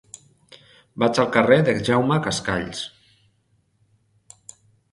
Vaig al carrer de Jaume Cascalls.